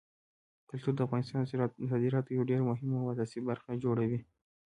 کلتور د افغانستان د صادراتو یوه ډېره مهمه او اساسي برخه جوړوي.